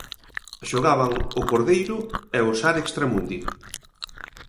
Xogaban o Cordeiro e o Sar Extramundi.